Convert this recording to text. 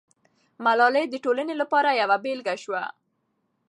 ملالۍ د ټولنې لپاره یوه بېلګه سوه.